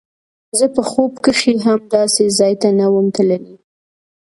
زه په خوب کښې هم داسې ځاى ته نه وم تللى.